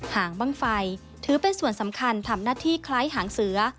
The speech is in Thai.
หางบ้างไฟถือเป็นส่วนสำคัญทำหน้าที่คล้ายหางเสือ